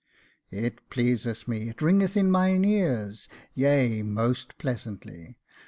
" It pleaseth me — it ringeth in mine ears — yea, most pleasantly.